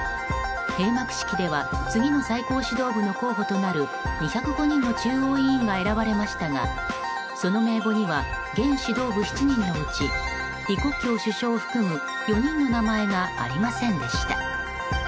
閉幕式では次の最高指導部の候補となる２０５人の中央委員が選ばれましたがその名簿には現指導部７人のうち李克強首相を含む４人の名前がありませんでした。